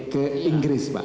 ke inggris pak